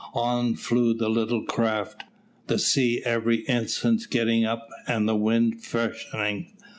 On flew the little craft, the sea every instant getting up and the wind freshening.